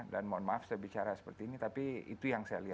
dan mohon maaf saya bicara seperti ini tapi itu yang saya lihat